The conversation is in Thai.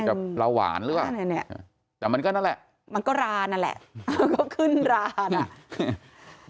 อันนี้ปลาหวานแต่มันก็นั่นแหละมันก็ลานั่นแหละมันก็ขึ้นลานะ